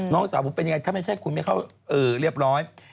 น้องสาวผมเป็นยังไงถ้าไม่ใช่คุณไม่เข้าเรียบร้อย